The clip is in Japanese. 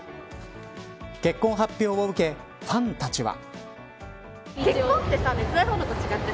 結婚発表を受けファンたちは。